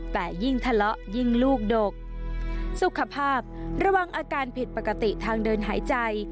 แต่ยิ่งทะเลาะยิ่งลูกดกสุขภาพระวังอาการผิดปกติทางเดินหายใจ